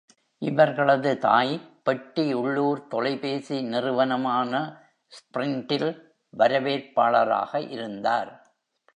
இவர்களது தாய் பெட்டி உள்ளூர் தொலைபேசி நிறுவனமான ஸ்பிரிண்டில் வரவேற்பாளராக இருந்தார்.